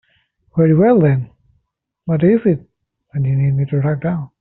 Very well then, what is it that you need me to track down?